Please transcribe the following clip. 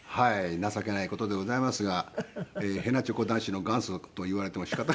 情けない事でございますがへなちょこ男子の元祖と言われても仕方がない。